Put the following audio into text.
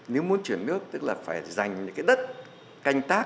nếu muốn chuyển nước tức là phải dành những cái đất